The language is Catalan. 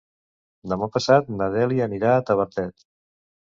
Demà passat na Dèlia anirà a Tavertet.